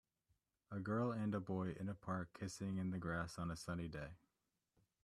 A girl and a boy in a park kissing in the grass on a sunny day